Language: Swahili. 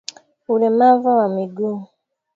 Ulemava wa miguu